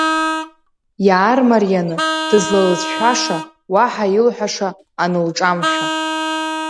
Иаармарианы дызлалыцәцаша, уаҳа илҳәаша анылҿамшәа…